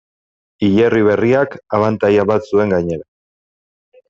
Hilerri berriak abantaila bat zuen gainera.